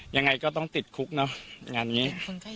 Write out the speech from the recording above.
ยังไงก็ต้องติดคุกเนอะงานนี้